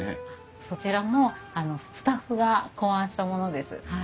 そちらもスタッフが考案したものです。